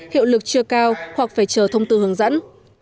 hiệu lực chưa cao hoặc phải chờ thông tư hướng dẫn